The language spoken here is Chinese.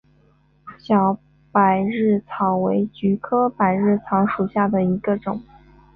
小百日草为菊科百日草属下的一个种。